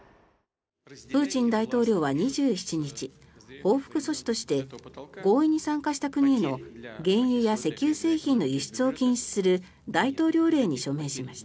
プーチン大統領は２７日報復措置として合意に参加した国への原油や石油製品の輸出を禁止する大統領令に署名しました。